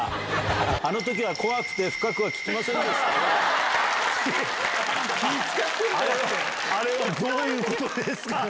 あのときは怖くて、深くは聞きませんでしたが、あれはどういうことですか？